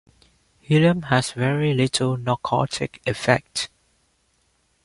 Helium has very little narcotic effect.